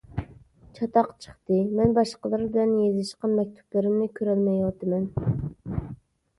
چاتاق چىقتى. مەن باشقىلار بىلەن يېزىشقان مەكتۇپلىرىمنى كۆرەلمەيۋاتىمەن.